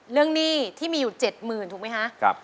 เรื่องหนี้ที่มีอยู่เจ็ดหมื่นถูกมั้ยฮะ